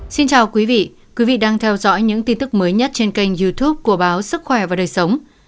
xin chào quý vị quý vị đang theo dõi những tin tức mới nhất trên kênh youtube của báo sức khỏe và đời sống